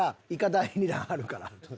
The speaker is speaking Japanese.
第２弾あるから。